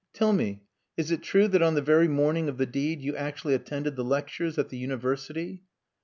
"Tell me: is it true that on the very morning of the deed you actually attended the lectures at the University?"